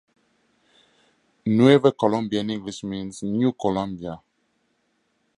Nueva Colombia, in English, means "New Colombia".